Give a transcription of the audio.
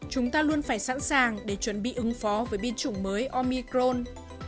chúng ta luôn phải sẵn sàng để chuẩn bị ứng phó với biến chủng mới omicron